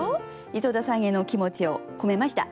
井戸田さんへの気持ちを込めました。